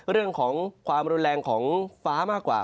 เรื่องของความรุนแรงของฟ้ามากกว่า